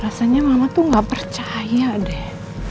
rasanya mama tuh gak percaya deh